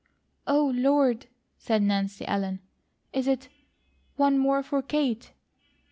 "Oh, Lord!" said Nancy Ellen. "Is it one more for Kate?"